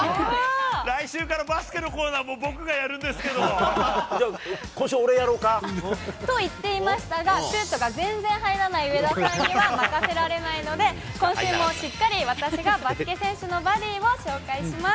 来週からバスケのコーナー、もう僕がやるんですけど。と言っていましたが、シュートが全然入らない上田さんには任せられないので、今週もしっかり私がバスケ選手のバディを紹介します。